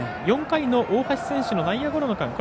４回の大橋選手の内野ゴロの間。